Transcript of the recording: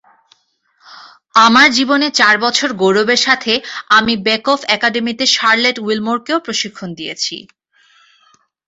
আমার জীবনে চার বছর গৌরবের সাথে, আমি বেকফ একাডেমিতে শার্লেট উইলমোরকেও প্রশিক্ষণ দিয়েছি।